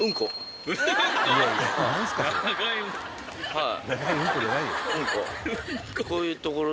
はい。